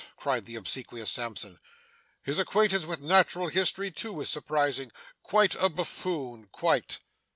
cried the obsequious Sampson. 'His acquaintance with Natural History too is surprising. Quite a Buffoon, quite!